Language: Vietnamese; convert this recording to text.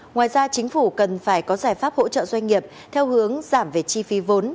ngoài ra chính phủ cần phải có giải pháp hỗ trợ doanh nghiệp theo hướng giảm về chi phí vốn